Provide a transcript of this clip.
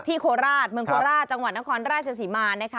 โคราชเมืองโคราชจังหวัดนครราชศรีมานะคะ